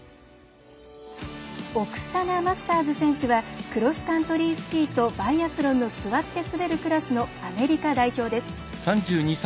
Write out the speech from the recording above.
オクサナ・マスターズ選手はクロスカントリースキーとバイアスロンの座って滑るクラスのアメリカ代表です。